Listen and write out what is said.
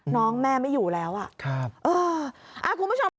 น้องแม่ไม่อยู่แล้วอ่ะเออคุณผู้ชม